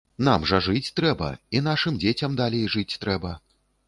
Нам жа жыць трэба і нашым дзецям далей жыць трэба.